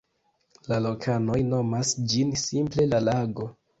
La lokanoj nomas ĝin simple "la lago".